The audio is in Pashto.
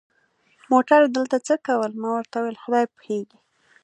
موټر دلته څه کول؟ ما ورته وویل: خدای پوهېږي.